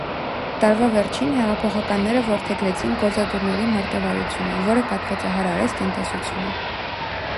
Տարվա վերջին հեղափոխականները որդեգրեցին գործադուլների մարտավարությունը, որը կատվածահար արեց տնտեսությունը։